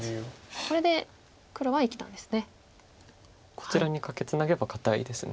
こちらにカケツナげば堅いです。